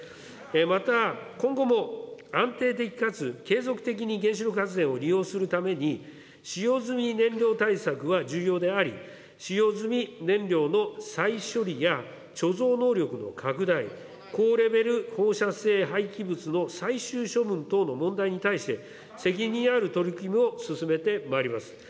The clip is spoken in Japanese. また、今後も安定的かつ継続的に原子力発電を利用するために、使用済み燃料対策は重要であり、使用済み燃料の再処理や貯蔵能力の拡大、高レベル放射性廃棄物の最終処分等の問題に対して、責任ある取り組みを進めてまいります。